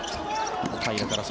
平良から外。